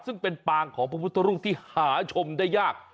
ซึ่งเป็นปางของพระพุทธรูปที่หาชมได้ยาก